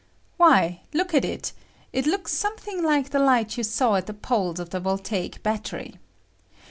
Why, look at it ; it looka something like the light you saw at the poles of the voltaic battery.